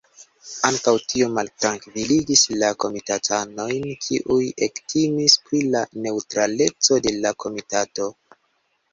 Ankaŭ tio maltrankviligis la komitatanojn, kiuj ektimis pri la neŭtraleco de la komitato.